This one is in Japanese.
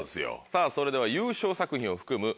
さぁそれでは優勝作品を含む